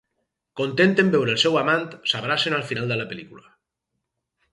Content en veure el seu amant, s'abracen al final de la pel·lícula.